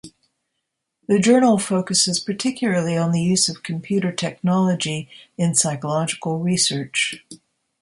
The journal focuses particularly on the use of computer technology in psychological research.